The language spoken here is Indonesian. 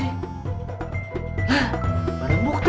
hah barang bukti